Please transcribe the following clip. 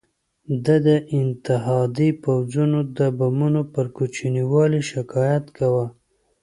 ده د اتحادي پوځونو د بمونو پر کوچني والي شکایت کاوه.